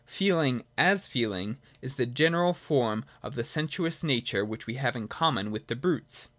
Feeling, as feeling, is the general form of the sensuous nature which we have in common with the brutes.